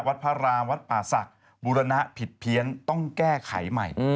พระรามวัดป่าศักดิ์บุรณะผิดเพี้ยนต้องแก้ไขใหม่